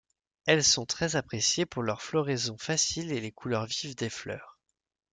Elles sont très appréciées pour leur floraison facile et les couleurs vives des fleurs.